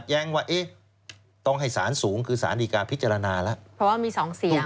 แสดงว่าโดนไป๒แล้วครับถูกไหมครับ